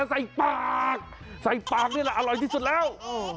ใส่ปากใส่ปากนี่แหละอร่อยที่สุดแล้ว